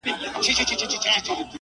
اسمان ته مي خاته ناسوني نه دی,